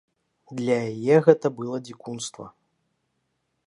Для яе гэта было дзікунства.